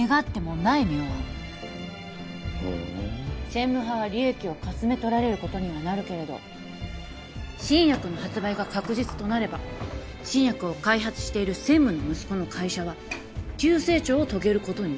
専務派は利益をかすめとられることにはなるけれど新薬の発売が確実となれば新薬を開発している専務の息子の会社は急成長を遂げることになる